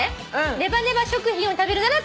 「ネバネバ食品を食べるなら」